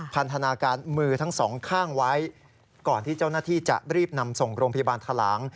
พันธนาการมือทั้งสองข้างไว้ก่อนที่เจ้าหน้าที่จะรีบนำส่งโรงพยาบาลทะลาง